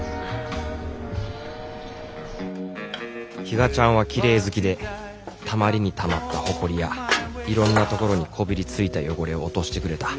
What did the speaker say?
比嘉ちゃんはきれい好きでたまりにたまったホコリやいろんなところにこびりついた汚れを落としてくれた。